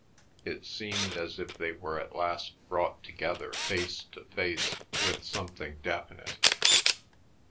It seemed as if they were at last brought together face to face with something definite.